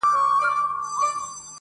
زرافه چي په هر ځای کي وه ولاړه،